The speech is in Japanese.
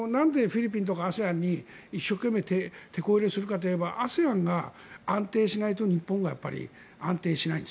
日本がなぜフィリピンとかＡＳＥＡＮに一生懸命てこ入れするかというとＡＳＥＡＮが安定しないと日本が安定しないんです。